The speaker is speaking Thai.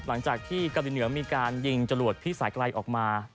หลังจากที่เกาหลีเหนือมีการยิงจรวดพี่สายไกลออกมา